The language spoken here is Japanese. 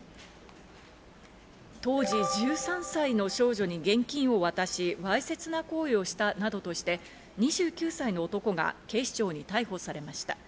当時１３歳の少女に現金を渡し、わいせつな行為をしたなどとして２９歳の男が警視庁に逮捕されました。